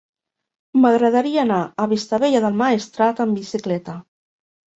M'agradaria anar a Vistabella del Maestrat amb bicicleta.